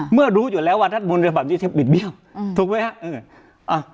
เมื่อรู้อยู่แล้วว่าทางสมุนตรฐรรมเนี่ยเต็มบิดเบี้ยวถูกไหมฮะ